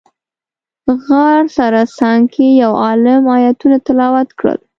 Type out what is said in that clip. غار سره څنګ کې یو عالم ایتونه تلاوت کړل.